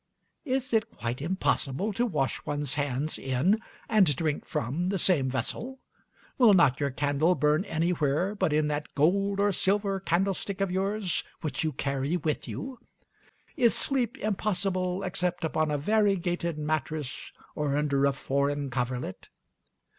Is it quite impossible to wash one's hands in, and drink from, the same vessel? Will not your candle burn anywhere but in that gold or silver candlestick of yours, which you carry with you? Is sleep impossible except upon a variegated mattress, or under a foreign coverlet?